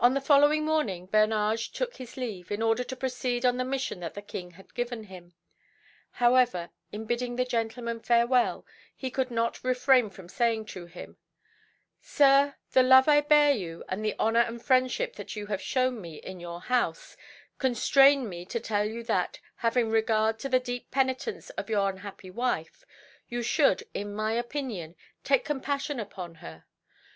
On the following morning Bernage took his leave, in order to proceed on the mission that the King had given him. However, in bidding the gentleman farewell, he could not refrain from saying to him "Sir, the love I bear you, and the honour and friendship that you have shown me in your house, constrain me to tell you that, having regard to the deep penitence of your unhappy wife, you should, in my opinion, take compassion upon her.